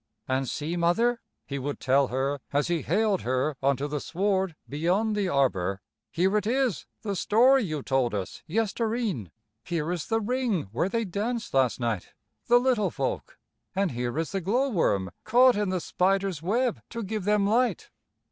"An' see, Mother," he would tell her, as he haled her on to the sward beyond the arbor, "here it is, the story you told us yester e'en. Here is the ring where they danced last night, the little folk, an' here is the glow worm caught in the spider's web to give them light."